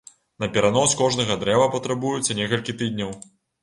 На перанос кожнага дрэва патрабуецца некалькі тыдняў.